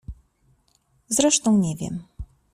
Zresztą nie wiem.